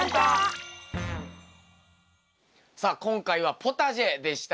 さあ今回はポタジェでしたね。